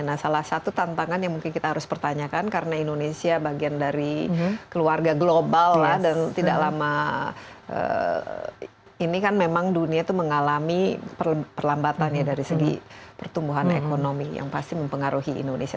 nah salah satu tantangan yang mungkin kita harus pertanyakan karena indonesia bagian dari keluarga global lah dan tidak lama ini kan memang dunia itu mengalami perlambatan ya dari segi pertumbuhan ekonomi yang pasti mempengaruhi indonesia